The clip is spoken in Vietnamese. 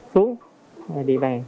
xuống địa bàn